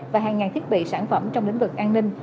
và hàng ngàn thiết bị sản phẩm trong lĩnh vực an ninh